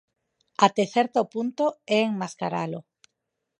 Até certo punto é enmascaralo.